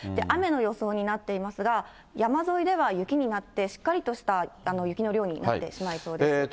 雨の予想になっていますが、山沿いでは雪になって、しっかりとした雪の量になってしまいそうです。